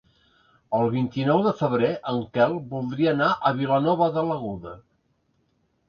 El vint-i-nou de febrer en Quel voldria anar a Vilanova de l'Aguda.